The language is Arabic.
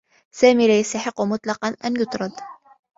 سامي لا يستحقّ مطلقا أن يُطرد.